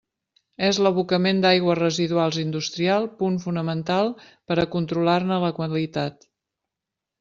És l'abocament d'aigües residuals industrials punt fonamental per a controlar-ne la qualitat.